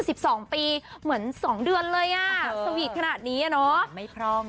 สิบสองปีเหมือนสองเดือนเลยอ่ะสวีทขนาดนี้อ่ะเนอะไม่พร่อง